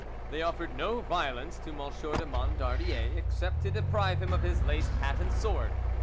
They offered no violence to M. de Mondardier except to deprive him of his laced hat and sword.